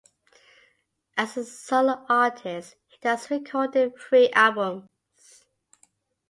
As a solo artist, he has recorded three albums.